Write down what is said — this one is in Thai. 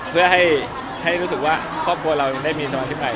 เพื่อให้รู้สึกว่าครอบครัวเราได้มีสมาชิกใหม่